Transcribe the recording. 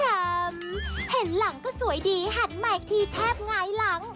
เห็นหลังก็สวยดีหันมาอีกทีแทบหงายหลัง